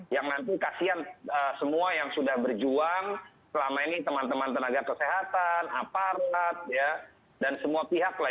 yang nanti kasian semua yang sudah berjuang selama ini teman teman tenaga kesehatan aparat dan semua pihak lah